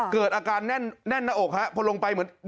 เกิดอาการแน่นหน้าอกฮะพอลงไปเหมือน